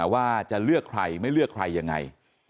ว่าจะเลือกใครไม่เลือกใครยังไง